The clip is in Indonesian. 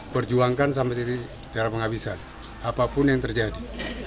perjuangkan sampai tidak ada penghabisan apapun yang terjadi